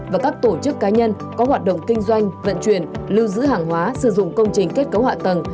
và các tổ chức cá nhân có hoạt động kinh doanh vận chuyển lưu giữ hàng hóa sử dụng công trình kết cấu hạ tầng